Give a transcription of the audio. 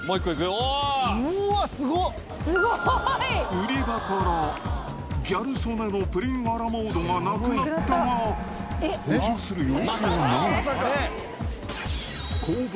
売り場から、ギャル曽根のプリンアラモードがなくなったが、補充する様子がない。